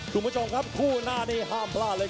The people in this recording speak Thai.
คุณผู้ชมครับคู่หน้านี้ห้ามพลาดเลย